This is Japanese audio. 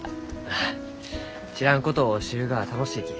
ああ知らんことを知るがは楽しいき。